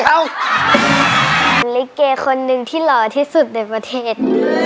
ลิเกคนหนึ่งที่หล่อที่สุดในประเทศ